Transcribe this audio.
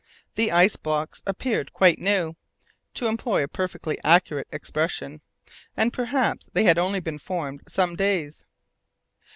The ice blocks appeared "quite new" (to employ a perfectly accurate expression), and perhaps they had only been formed some days.